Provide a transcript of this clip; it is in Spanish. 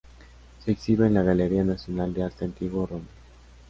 Se exhibe en la Galería Nacional de Arte Antiguo, Roma.